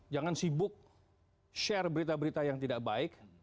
jangan sibuk share berita berita yang tidak baik